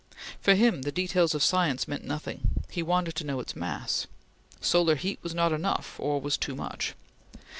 For him the details of science meant nothing: he wanted to know its mass. Solar heat was not enough, or was too much.